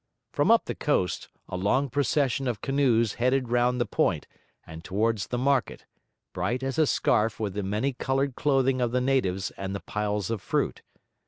From up the coast, a long procession of canoes headed round the point and towards the market, bright as a scarf with the many coloured clothing of the natives and the piles of fruit.